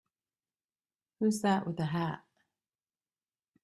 Who's that with the hat?